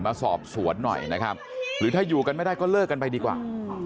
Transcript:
มาสอบสวนหน่อยนะครับหรือถ้าอยู่กันไม่ได้ก็เลิกกันไปดีกว่า